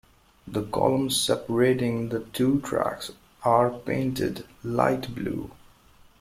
The columns separating the two tracks are painted light-blue.